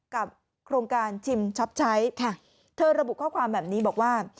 โครงการชิมช็อปใช้ค่ะเธอระบุข้อความแบบนี้บอกว่า